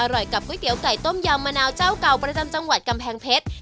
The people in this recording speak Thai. อร่อยกับก๋วยเตี๋ยวไก่ต้มยำมะนาวเจ้าเก่าประจำจังหวัดกำแพงเพชร